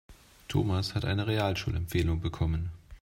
Thomas hat eine Realschulempfehlung bekommen.